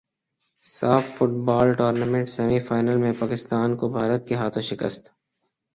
ساف football tournament semi final میں پاکستان کو بھارت کے ہاتھوں شکست